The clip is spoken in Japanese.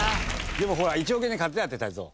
でもほら「１億円で買って」だって泰造。